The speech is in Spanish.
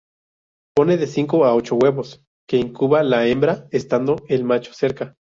Pone de cinco a ocho huevos, que incuba la hembra, estando el macho cerca.